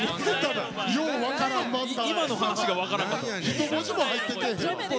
一文字も入ってけぇへん。